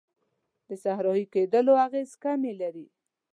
د صحرایې کیدلو اغیزې کمې کړي.